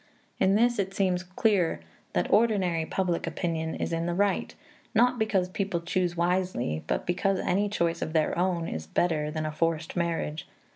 In this it seems clear that ordinary public opinion is in the right, not because people choose wisely, but because any choice of their own is better than a forced marriage.